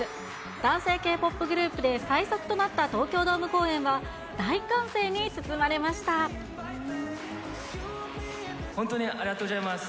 男性ＫーＰＯＰグループで最速となった東京ドーム公演は、大歓声本当にありがとうございます。